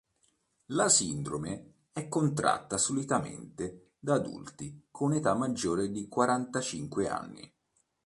La sindrome è contratta solitamente da adulti con età maggiore di quarantacinque anni.